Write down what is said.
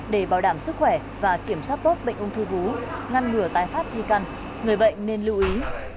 để bảo đảm sức khỏe và kiểm soát tốt bệnh ung thư vú ngăn ngừa tái phát di căn người bệnh nên lưu ý